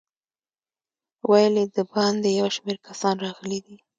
ویل یې د باندې یو شمېر کسان راغلي دي.